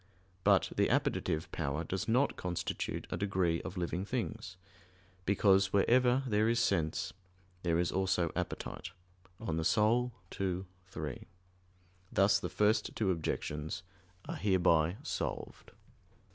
But the appetitive power does not constitute a degree of living things; because wherever there is sense there is also appetite (De Anima ii, 3). Thus the first two objections are hereby solved.